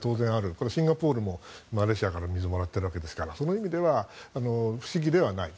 それはシンガポールもマレーシアから水をもらっているわけですからその意味では不思議ではない。